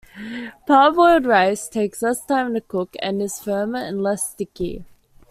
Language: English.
Parboiled rice takes less time to cook and is firmer and less sticky.